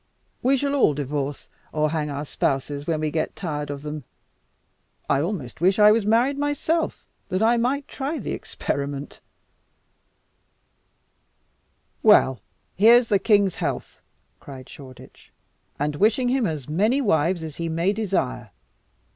We shall all divorce or hang our spouses when we get tired of them. I almost wish I was married myself, that I might try the experiment ha! ha!" "Well, here's the king's health!" cried Shoreditch, "and wishing him as many wives as he may desire.